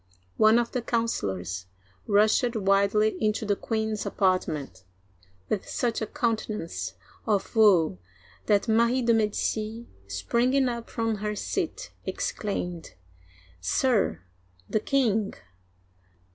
One of the councilors rushed wildly into the queen's apartment, with such a countenance of woe that Marie de' Medici, springing up from her seat, exclaimed :" Sir ! the king